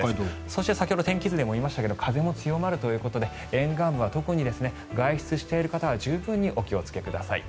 そして先ほど天気図でも言いましたが風も強まるということで沿岸部は特に外出している方は十分にお気をつけください。